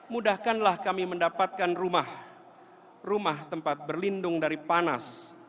mudahkanlah kami mendapatkan rumah tempat berlindung dari panas